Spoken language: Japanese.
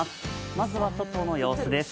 まずは、外の様子です。